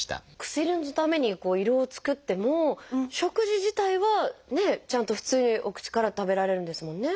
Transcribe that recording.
薬のために胃ろうを作っても食事自体はねちゃんと普通にお口から食べられるんですもんね？